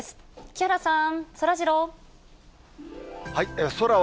木原さん、そらジロー。